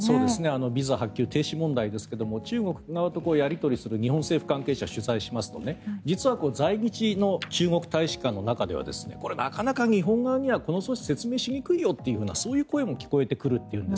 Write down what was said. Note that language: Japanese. ビザ発給停止問題ですが中国側とやり取りする日本政府関係者を取材しますと実は在日の中国大使館の中では日本側にはこの措置は説明しにくいとそういう声も聞こえてくるんです